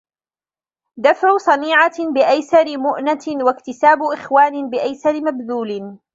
دَفْعُ صَنِيعَةٍ بِأَيْسَرِ مُؤْنَةٍ وَاكْتِسَابُ إخْوَانٍ بِأَيْسَرِ مَبْذُولٍ